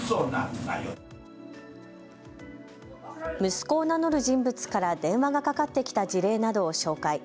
息子を名乗る人物から電話がかかってきた事例などを紹介。